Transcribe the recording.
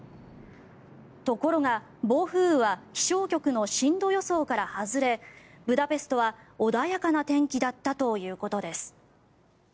ところが、暴風雨は気象局の進路予想から外れブダペストは穏やかな天気だったということです。